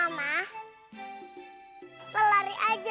sampai jumpa di video selanjutnya